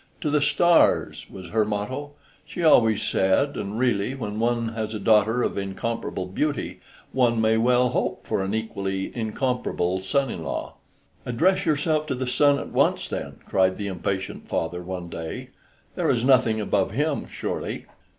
To the stars! was her motto, she always said, and really, when one has a daughter of incomparable beauty, one may well hope for an equally incomparable son in law. "Address yourself to the sun at once, then," cried the impatient father one day; "there is nothing above him, surely."